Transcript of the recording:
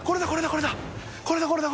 これだこれだこれだ。